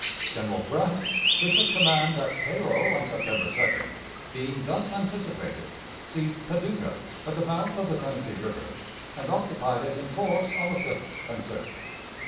General Grant, who took command at Cairo on September 2d, being thus anticipated, seized Paducah, at the mouth of the Tennessee River, and occupied it in force on the 5th and 6th.